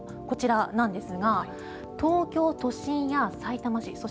こちらなんですが東京都心やさいたま市